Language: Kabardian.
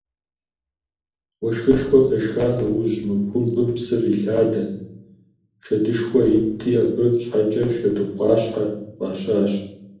Уэшхышхуэ къешха нэужь мы кумбым псыр илъадэрт, шэдышхуэу итти, абы щхьэкӏэ «Шэдыкъуащхьэ» фӏащащ.